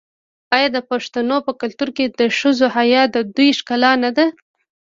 آیا د پښتنو په کلتور کې د ښځو حیا د دوی ښکلا نه ده؟